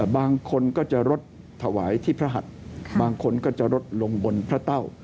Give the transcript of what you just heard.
บางคนก็จะรดถวายที่พระหัสบางคนก็จะลดลงบนพระเต้า